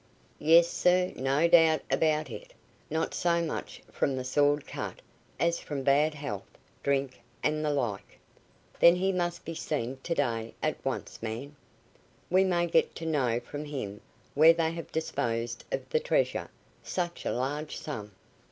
"Yes, sir, no doubt about it; not so much from the sword cut, as from bad health drink, and the like." "Then he must be seen to day at once, man. We may get to know from him where they have disposed of the treasure. Such a large sum."